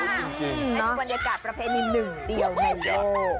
ได้เป็นบรรยากาศประเภทนี้๑เดียวในโลก